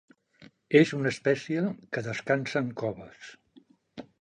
És una espècie que descansa en coves.